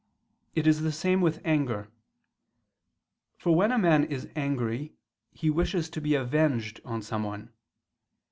It is the same with anger; for when a man is angry, he wishes to be avenged on someone.